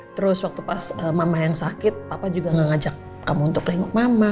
terus waktu pas mama yang sakit papa juga gak ngajak kamu untuk linguk mama